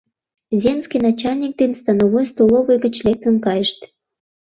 Земский начальник ден становой столовый гыч лектын кайышт.